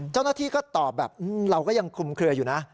เจ้าหน้าที่ก็ตอบแบบเราก็ยังคุมเคลืออยู่นะ